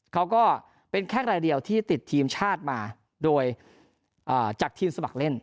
ก็เป็นแค่รายเดียวที่ติดทีมชาติมาโดยจากทีมสมัครเล่น